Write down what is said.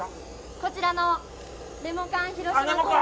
こちらのレモ缶。